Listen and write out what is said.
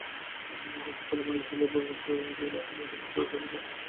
এদিকে গাজায় চলমান ইসরায়েলের বর্বর বিমান হামলা অবিলম্বে বন্ধের দাবি জানিয়েছে জর্ডান।